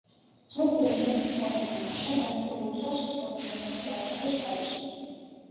ზოგიერთ ვებ–ფორუმებზე დაშვებულია შეტყობინებები ავტორის გარეშე.